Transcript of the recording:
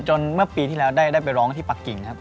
เมื่อปีที่แล้วได้ไปร้องที่ปากกิ่งครับ